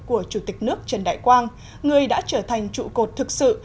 của chủ tịch nước trần đại quang người đã trở thành trụ cột thực sự